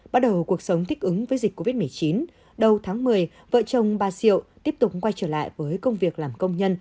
bắt đầu cuộc sống thích ứng với dịch covid một mươi chín đầu tháng một mươi vợ chồng bà diệu tiếp tục quay trở lại với công việc làm công nhân